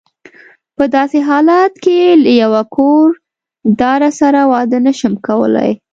په داسې حالت کې له یوه کور داره سره واده نه شم کولای.